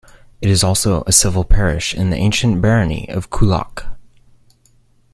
It is also a civil parish in the ancient barony of Coolock.